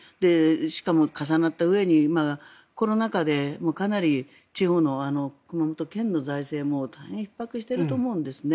しかも、重なったうえにコロナ禍でかなり地方の熊本県の財政も大変ひっ迫していると思うんですね。